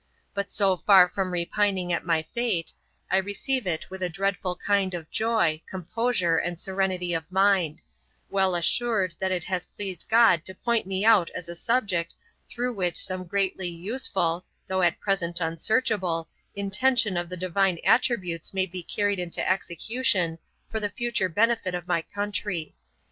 But so far from repining at my fate, I receive it with a dreadful kind of joy, composure, and serenity of mind; well assured that it has pleased God to point me out as a subject through which some greatly useful (though at present unsearchable) intention of the divine attributes may be carried into execution for the future benefit of my country.